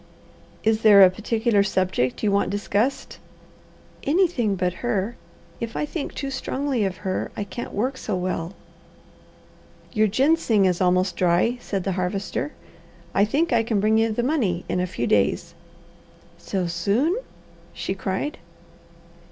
"Is there a particular subject you want discussed?" "Anything but her. If I think too strongly of her, I can't work so well." "Your ginseng is almost dry," said the Harvester. "I think I can bring you the money in a few days." "So soon!" she cried.